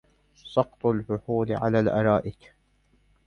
سقط الفحول عن الأرائك